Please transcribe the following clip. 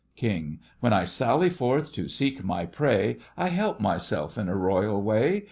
KING: When I sally forth to seek my prey I help myself in a royal way.